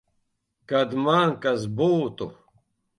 Kad man kas būtu.